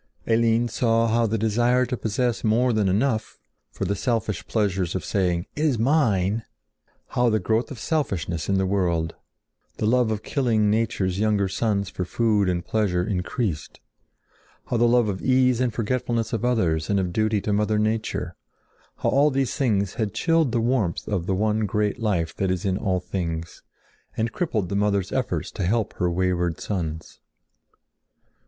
Eline saw how the desire to possess more than enough, for the selfish pleasure of saying, "It is mine!"—how the growth of selfishness in the world; the love of killing nature's younger sons for food and pleasure increased; how the love of ease and forgetfulness of others and of duty to mother nature—how all these things had chilled the warmth of the one great life that is in all things, and crippled the mother's efforts to help her wayward sons.